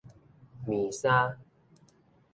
麵衫